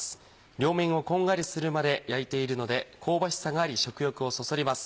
両面をこんがりするまで焼いているので香ばしさがあり食欲をそそります。